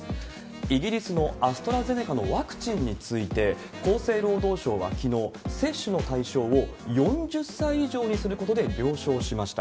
イギリスのアストラゼネカのワクチンについて、厚生労働省はきのう、接種の対象を４０歳以上にすることで了承しました。